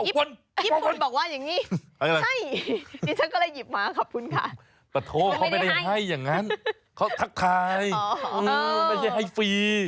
ค่ะโอ้โหญี่ปุ่นก็เฮ้ย